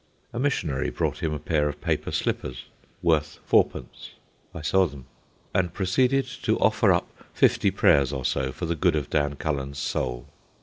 A missionary brought him a pair of paper slippers, worth fourpence (I saw them), and proceeded to offer up fifty prayers or so for the good of Dan Cullen's soul.